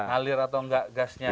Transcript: alir atau enggak gasnya